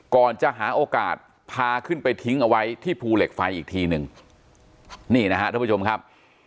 ก่อนจะหาโอกาสพาขึ้นไปทิ้งเอาไว้ที่ภูเหล็กไฟอีกทีหนึ่งนี่นะฮะท่านผู้ชมครับ